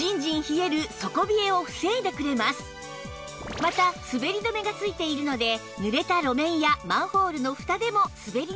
また滑り止めが付いているので濡れた路面やマンホールの蓋でも滑りにくいんです